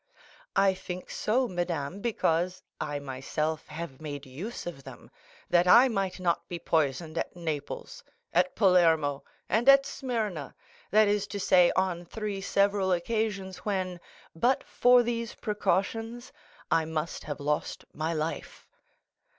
"I think so, madame, because I myself have made use of them, that I might not be poisoned at Naples, at Palermo, and at Smyrna—that is to say, on three several occasions when, but for these precautions, I must have lost my life."